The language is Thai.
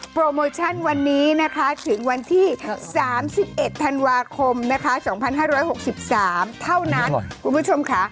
โปรโมชั่นวันนี้นะคะถึงวันที่๓๑ธันวาคมนะคะ๒๕๖๓เท่านั้นคุณผู้ชมค่ะ